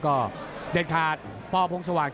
ก็เด็ดขาดปพงสว่าง